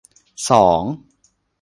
สอง